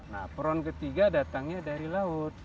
nah peron ketiga datangnya dari laut